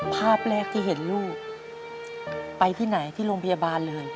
ภาพแรกที่เห็นลูกไปที่ไหนที่โรงพยาบาลเลย